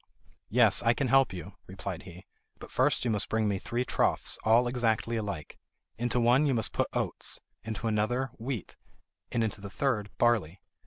"Yes, I can help you," replied he; "but first you must bring me three troughs, all exactly alike. Into one you must put oats, into another wheat, and into the third barley.